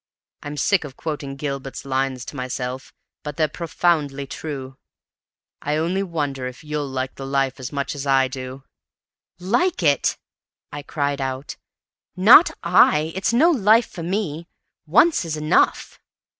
I'm sick of quoting Gilbert's lines to myself, but they're profoundly true. I only wonder if you'll like the life as much as I do!" "Like it?" I cried out. "Not I! It's no life for me. Once is enough!"